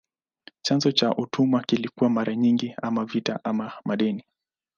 Chanzo cha utumwa kilikuwa mara nyingi ama vita ama madeni.